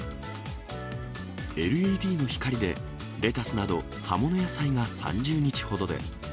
ＬＥＤの光で、レタスなど、葉物野菜が３０日ほどで。